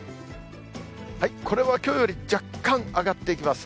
これはきょうより若干上がっていきます。